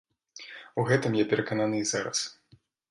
У гэтым я перакананы і зараз.